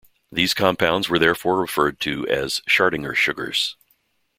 These compounds were therefore referred to as "Schardinger sugars".